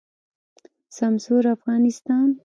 سمسور افغانستان